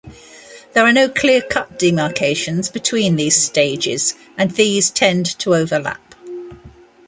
There are no clear-cut demarcations between these stages and these tend to overlap.